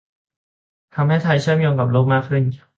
ทำให้ไทยเชื่อมกับโลกมากขึ้น